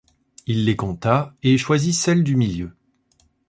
Il les compta et choisit celle du milieu.